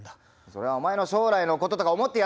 それはお前の将来のこととか思って。